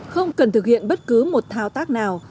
không cần thực hiện bất cứ một thao tác nào